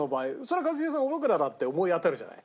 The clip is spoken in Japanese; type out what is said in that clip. それは一茂さん僕らだって思い当たるじゃない。